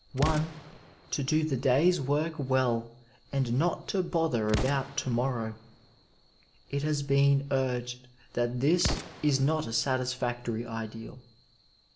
One to do the day's work well and not to bother about to morrow. It has been urged that this is not a satisfactory ideal.